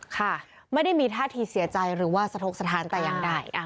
ค่ะไม่ได้มีท่าทีเสียใจหรือว่าสะทกสถานแต่อย่างใด